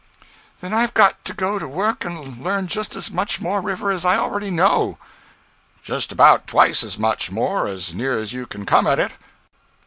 'Then I've got to go to work and learn just as much more river as I already know.' 'Just about twice as much more, as near as you can come at it.'